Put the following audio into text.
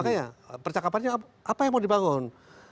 makanya percakapannya apa yang mau dibangun